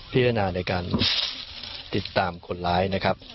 พิจารณาในการติดตามคนร้ายนะครับ